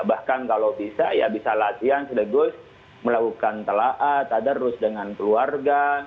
bahkan kalau bisa ya bisa latihan sedegus melakukan telaat ada rus dengan keluarga